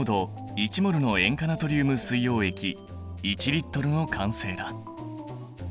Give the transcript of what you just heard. １ｍｏｌの塩化ナトリウム水溶液１Ｌの完成だ。